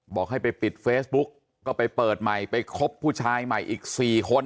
บอกให้ไปปิดเฟซบุ๊กก็ไปเปิดใหม่ไปคบผู้ชายใหม่อีก๔คน